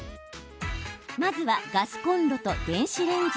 まずは、ガスコンロと電子レンジ。